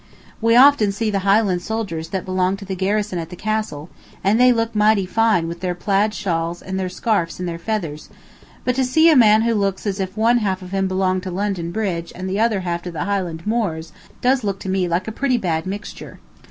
We often see the Highland soldiers that belong to the garrison at the castle, and they look mighty fine with their plaid shawls and their scarfs and their feathers; but to see a man who looks as if one half of him belonged to London Bridge and the other half to the Highland moors, does look to me like a pretty bad mixture.